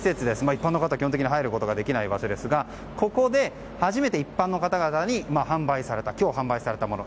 一般の方は基本的に入ることができない場所ですがここで初めて一般の方々に今日販売されたもの